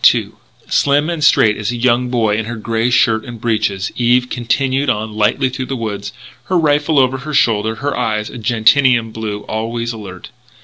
II Slim and straight as a young boy in her grey shirt and breeches, Eve continued on lightly through the woods, her rifle over her shoulder, her eyes of gentian blue always alert.